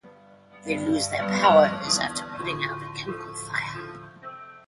They lose their powers after putting out a chemical fire.